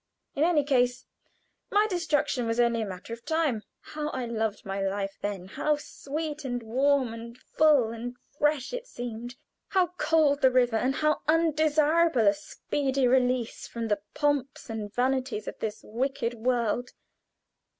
In any case, my destruction was only a matter of time. How I loved my life then! How sweet, and warm, and full, and fresh it seemed! How cold the river, and how undesirable a speedy release from the pomps and vanities of this wicked world!